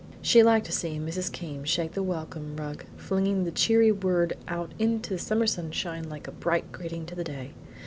She liked to see Mrs. Came shake the Welcome rug, flinging the cheery word out into the summer sunshine like a bright greeting to the day.